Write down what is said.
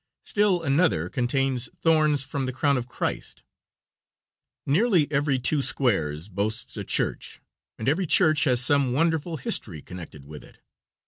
Still another contains thorns from the crown of Christ. Nearly every two squares boasts a church, and every church has some wonderful history connected with it.